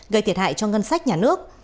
gây thiệt hại cho ngân sách nhà nước